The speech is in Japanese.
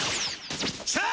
さあ